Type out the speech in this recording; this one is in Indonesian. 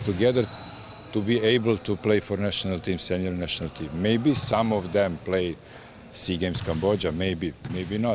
mungkin beberapa timnas memainkan sea games kamboja mungkin tidak